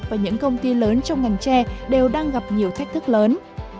và những công ty lớn trong ngành che đều đang gặp nhiều thách thức lớn